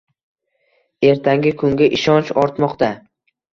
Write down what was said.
Ertangi kunga ishonch ortmoqda